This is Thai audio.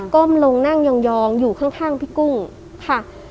้มลงนั่งยองอยู่ข้างพี่กุ้งค่ะ